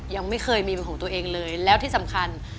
ยังไม่เคยมีเป็นของตัวเองเลยแล้วที่สำคัญ